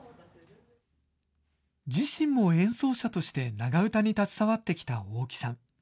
自身も演奏者として、長唄に携わってきた大木さん。